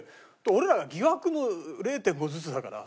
俺らが疑惑の０．５ずつだから。